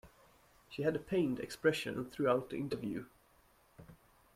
She had a pained expression throughout the interview.